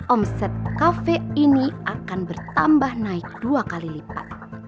om set cafe ini akan bertambah naik dua kali lipat